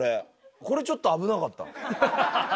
これちょっと、危なかった。